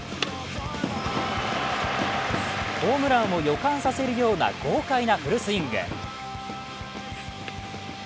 ホームランを予感させるような豪快なフルスイング。